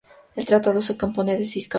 El tratado se compone de seis capítulos.